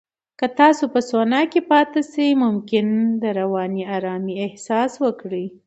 که تاسو په سونا کې پاتې شئ، ممکن رواني آرامۍ احساس وکړئ.